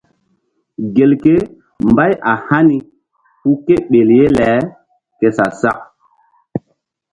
Gelke mbay a hani hu ke ɓel ye le ke sa-sak.